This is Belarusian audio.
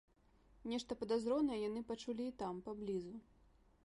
Нешта падазронае яны пачулі і там, паблізу.